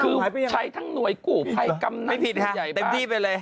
คือใช้ทั้งหน่วยกลุ่มให้กำหนังใหญ่บ้าน